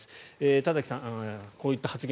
田崎さん、こういった発言